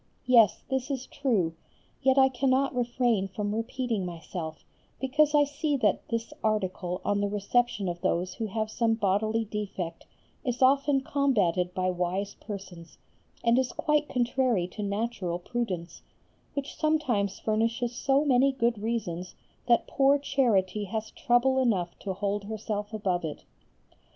Yes, this is true, yet I cannot refrain from repeating myself, because I see that this article on the reception of those who have some bodily defect is often combated by wise persons, and is quite contrary to natural prudence, which sometimes furnishes so many good reasons that poor charity has trouble enough to hold herself above it.